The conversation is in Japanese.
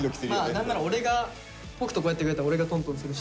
何ならオレが北斗こうやってくれたらオレがトントンするし。